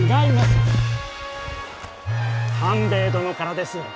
官兵衛殿からです。